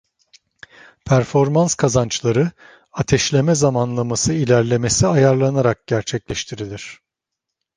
Performans kazançları, ateşleme zamanlaması ilerlemesi ayarlanarak gerçekleştirilir.